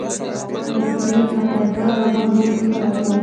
امريکايي پيره دار راباندې پوه سوى و.